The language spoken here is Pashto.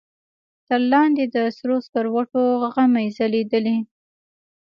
تر لاندې د سرو سکروټو غمي ځلېدل.